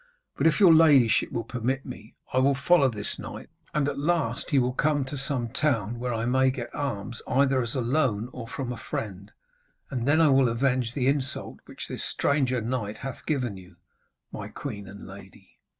'But if your ladyship will permit me, I will follow this knight, and at last he will come to some town where I may get arms either as a loan or from a friend, and then will I avenge the insult which this stranger knight hath given to you, my queen and lady.'